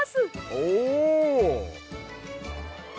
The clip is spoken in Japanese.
おお！